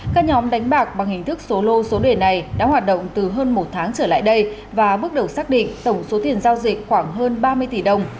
các nhóm đánh bạc bằng hình thức số lô số đề này đã hoạt động từ hơn một tháng trở lại đây và bước đầu xác định tổng số tiền giao dịch khoảng hơn ba mươi tỷ đồng